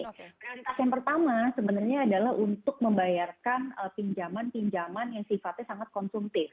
prioritas yang pertama sebenarnya adalah untuk membayarkan pinjaman pinjaman yang sifatnya sangat konsumtif